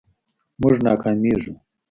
مونږ ناکامیږو